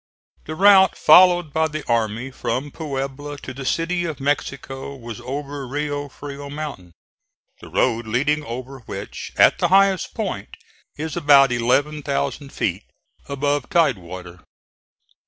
The route followed by the army from Puebla to the City of Mexico was over Rio Frio mountain, the road leading over which, at the highest point, is about eleven thousand feet above tide water.